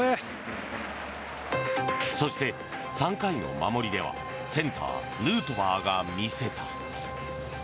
そして３回の守りではセンター、ヌートバーが見せた！